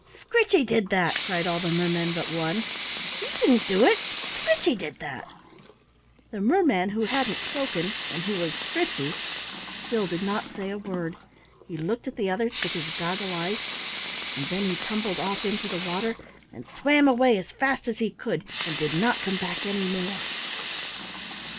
"Scritchy did that," cried all the mermen but one. "We didn't do it. Scritchy did that." The merman who hadn't spoken, and who was Scritchy, still did not say a word. He looked at the others with his goggle eyes and then he tumbled off into the water and swam away as fast as he could and did not come back any more.